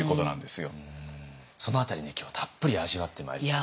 その辺りね今日たっぷり味わってまいりたいと思います。